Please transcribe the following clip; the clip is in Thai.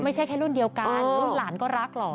ไม่ใช่แค่รุ่นเดียวกันรุ่นหลานก็รักเหรอ